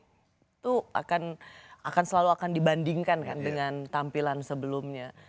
itu akan selalu akan dibandingkan kan dengan tampilan sebelumnya